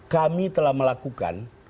kami telah melakukan